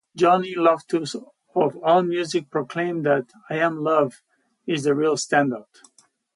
Johnny Loftus of Allmusic proclaimed that "I Am Love" is the real standout.